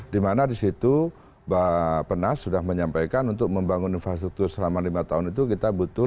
dimana disitu pak penas sudah menyampaikan untuk membangun infrastruktur selama lima tahun itu kita butuh lima satu ratus lima puluh sembilan